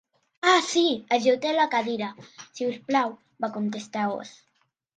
"Ah, sí. Ajeu-te a la cadira, si us plau", va contestar Oz.